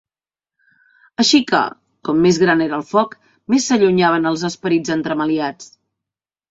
Així que, com més gran era el foc, més s'allunyaven els esperits entremaliats.